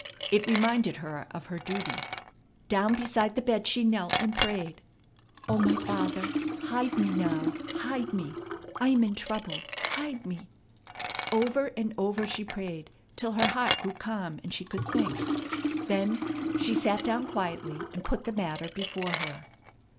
It reminded her of her duty. Down beside the bed she knelt, and prayed: "O my Father, hide me now; hide me! I am in trouble; hide me!" Over and over she prayed till her heart grew calm and she could think. Then she sat down quietly, and put the matter before her.